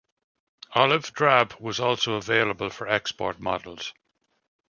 Olive drab was also available for export models.